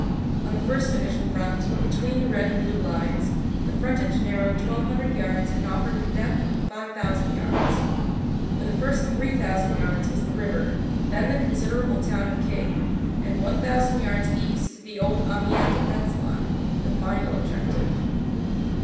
On the 1st. Division front, between the Red and Blue Lines, the frontage narrowed to 1,200 yards and offered a depth of 5,000 yards. For the first 3,000 yards was the river, then the considerable town of Caix, and 1,000 yards east the old Amiens Defense Line, the final objective.